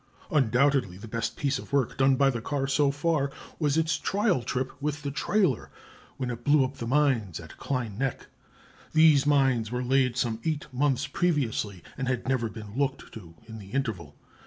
"Undoubtedly the best piece of work done by the car so far was its trial trip with the trailer, when it blew up the mines at Klein Nek. These mines were laid some eight months previously, and had never been looked to in the interval.